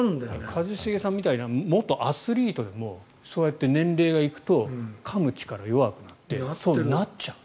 一茂さんみたいな元アスリートでもそうやって年齢が行くとかむ力が弱くなってそうなっちゃう。